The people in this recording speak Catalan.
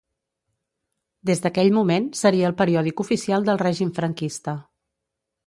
Des d'aquell moment seria el periòdic oficial del Règim Franquista.